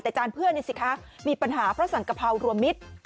แต่จานเพื่อนนี่สิคะมีปัญหาเพราะสั่งกะเพรารวมมิตร